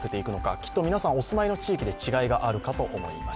きっと皆さん、お住まいの地域で違いがあるかと思います。